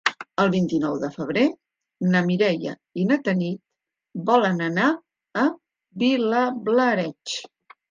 El vint-i-nou de febrer na Mireia i na Tanit volen anar a Vilablareix.